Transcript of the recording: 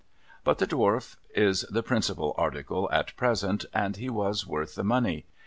But, the Dwarf is the principal article at present, and he was worth the money.